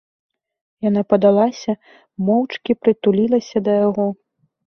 Яна падалася, моўчкі прытулілася да яго.